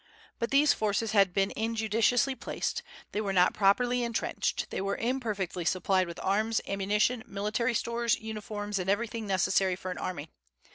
But these forces had been injudiciously placed; they were not properly intrenched; they were imperfectly supplied with arms, ammunition, military stores, uniforms, and everything necessary for an army.